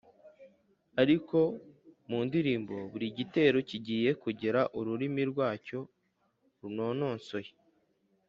ariko mu ndirimbo buri gitero kigiye kigira ururimi rwacyo runononsoye,